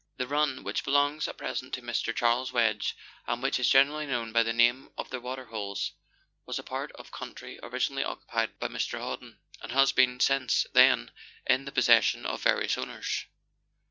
The run, which belongs at present to Mr. Charles Wedge, and which is generally known by the name of the Waterholes, was a part of country originally occupied by Mr. Hawdon, and has been since then in the possession of various owners.